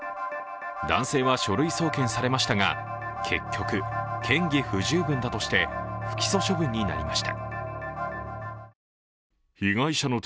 男性は書類送検されましたが、結局、嫌疑不十分だとして不起訴処分になりました。